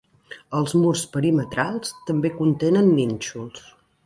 Els murs perimetrals també contenen nínxols.